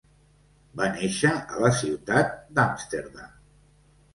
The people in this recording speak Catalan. Va néixer a la ciutat d'Amsterdam.